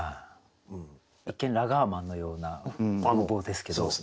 一見ラガーマンのような顔貌ですけど。